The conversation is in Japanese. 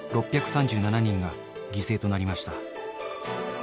６３７人が犠牲となりました。